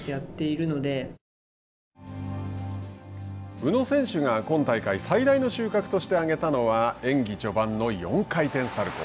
宇野選手が今大会最大の収穫として挙げたのは演技序盤の４回転サルコー。